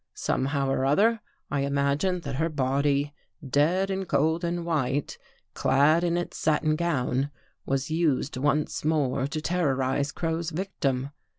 Somehow or other, I imagine that her body, dead and cold and white, clad in its satin gown, was used once more to ter rorize Crow's victim.